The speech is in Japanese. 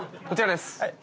こちらです。